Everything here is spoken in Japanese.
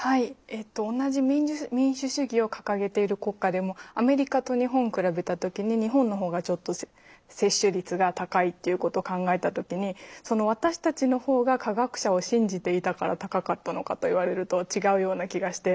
えっと同じ民主主義を掲げている国家でもアメリカと日本比べた時に日本の方がちょっと接種率が高いっていうこと考えた時にその私たちの方が科学者を信じていたから高かったのかと言われると違うような気がして。